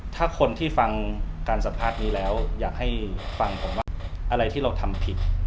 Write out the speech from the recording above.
ถ้าคนที่ฟังการสัมภาษณ์นี้แล้วอยากให้ฟังผมว่าอะไรที่เราทำผิด